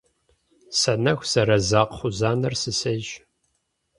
Санэху зэраза кхъузанэр сысейщ.